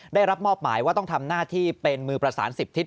ได้รับมอบหมายว่าต้องทำหน้าที่เป็นมือประสาน๑๐ทิศ